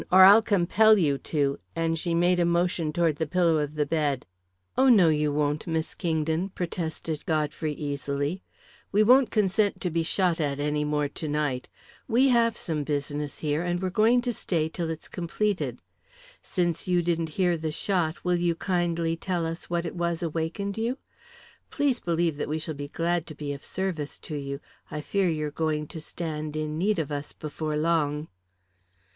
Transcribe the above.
"Or I'll compel you to," and she made a motion toward the pillow of the bed. "Oh, no, you won't, Miss Kingdon," protested Godfrey easily. "We won't consent to be shot at any more to night. We have some business here, and we're going to stay till it's completed. Since you didn't hear the shot, will you kindly tell us what it was awakened you? Please believe that we shall be glad to be of service to you. I fear you're going to stand in need of us before long."